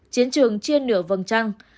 chiến trường chiên nửa vầng trăng